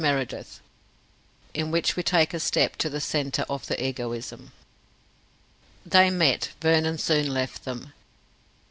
CHAPTER XXXVIII IN WHICH WE TAKE A STEP TO THE CENTRE OF EGOISM They met; Vernon soon left them.